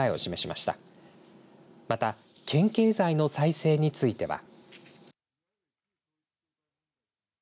また県経済の再生については。